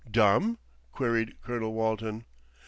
"Dumb?" queried Colonel Walton.